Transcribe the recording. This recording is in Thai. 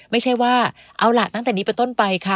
ไม่ใช่ว่าเอาล่ะตั้งแต่นี้เป็นต้นไปค่ะ